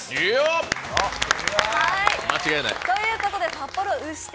札幌牛亭